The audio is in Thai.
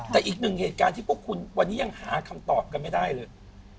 แต่อีกหนึ่งเหตุการณ์ที่พวกคุณวันนี้ยังหาคำตอบกันไม่ได้เลย